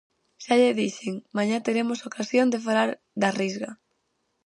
Xa lle dixen, mañá teremos ocasión de falar da Risga.